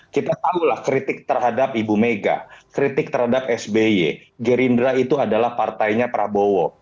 kita tahulah kritik terhadap ibu mega kritik terhadap sby gerindra itu adalah partainya prabowo